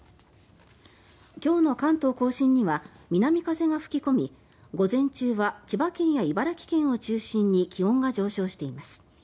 今日の関東・甲信には南風が吹き込み午前中は千葉県や茨城県を中心に気温が上昇しています。